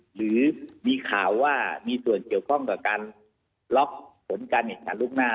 หรือมีข่าวว่ามีส่วนเกี่ยวข้องกับการล็อกผลการแข่งขันล่วงหน้า